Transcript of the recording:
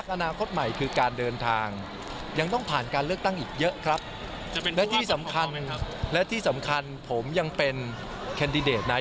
วันนี้ถึงจะเป็นห่วงไปสุดร่องการยุคภักดิ์หรือเปล่านะ